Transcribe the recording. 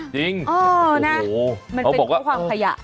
จริงเออนะมันเป็นข้อความขยะ